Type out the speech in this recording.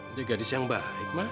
ini gadis yang baik